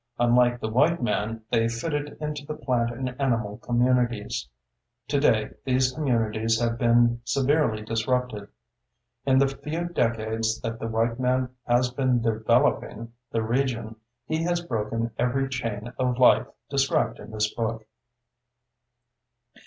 Unlike the white man, they fitted into the plant and animal communities. Today these communities have been severely disrupted. In the few decades that the white man has been "developing" the region, he has broken every chain of life described in this book.